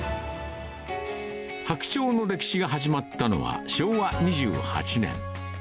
白鳥の歴史が始まったのは昭和２８年。